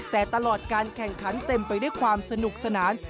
แต่ตลอดการแข่งขันเต็มไปด้วยความสนุกสนาน